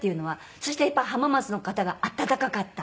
そしてやっぱ浜松の方が温かかった。